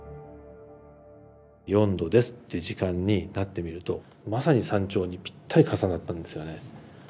「４°です」っていう時間になってみるとまさに山頂にぴったり重なったんですよね。